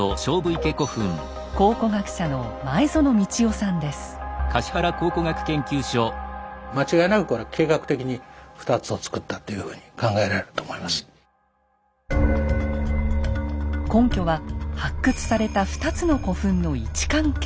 考古学者の根拠は発掘された２つの古墳の位置関係。